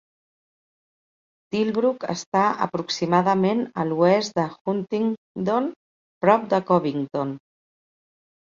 Tilbrook està aproximadament a l'oest de Huntingdon, prop de Covington.